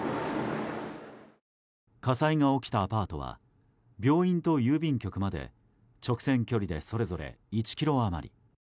火災が起きたアパートは病院と郵便局まで直線距離でそれぞれ１ｋｍ余り。